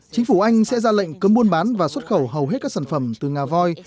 chính phủ anh sẽ ra lệnh cấm buôn bán và xuất khẩu hầu hết các sản phẩm từ nga voi